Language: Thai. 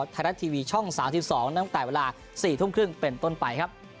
ไทยรัฐทีวีช่อง๓๒ตั้งแต่เวลา๔ทุ่มครึ่งเป็นต้นไปครับ